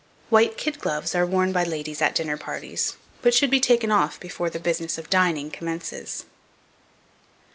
White kid gloves are worn by ladies at dinner parties, but should be taken off before the business of dining commences.